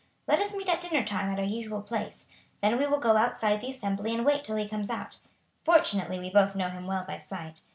Let us meet at dinner time at our usual place. Then we will go outside the Assembly and wait till he comes out. Fortunately we both know him well by sight.